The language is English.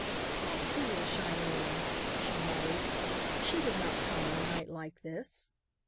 "How foolish I am!" she muttered. "She would not come on a night like this."